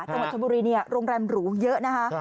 จังหวัดชนบุรีเนี่ยโรงแรมหรูเยอะนะคะ